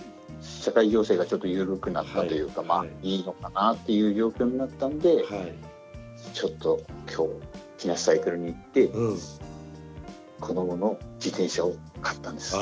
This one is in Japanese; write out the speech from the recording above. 社会情勢がちょっと緩くなったというかいいのかなっていう状況になったんでちょっときょう木梨サイクルに行って子どもの自転車を買ったんです。